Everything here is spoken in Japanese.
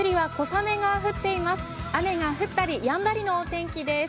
雨が降ったりやんだりのお天気です。